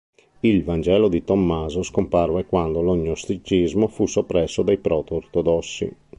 Il "Vangelo di Tommaso" scomparve quando lo Gnosticismo fu soppresso dai proto-ortodossi.